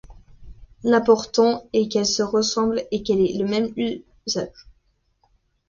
L'important est qu'elles se ressemblent et qu'elles aient le même usage.